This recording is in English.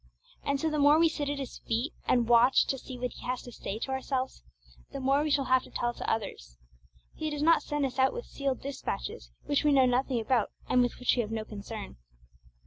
And so the more we sit at His feet and watch to see what He has to say to ourselves, the more we shall have to tell to others. He does not send us out with sealed despatches, which we know nothing about, and with which we have no concern.